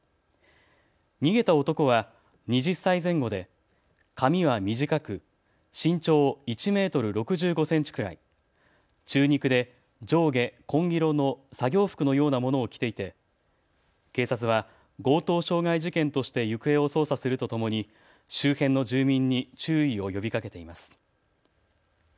逃げた男は２０歳前後で、髪は短く、身長１メートル６５センチくらい、中肉で上下紺色の作業服のようなものを着ていて警察は強盗傷害事件として行方を捜査するとともに周辺の住民に注意を呼びかけています。